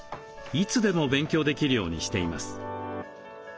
いつでも勉強できるようにしています。